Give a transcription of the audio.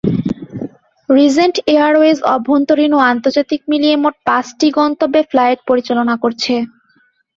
Regent Airways অভ্যন্তরীণ ও আন্তর্জাতিক মিলিয়ে মোট পাঁচটি গন্তব্যে ফ্লাইট পরিচালনা করছে।